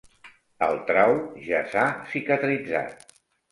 El trau ja s'ha cicatritzat.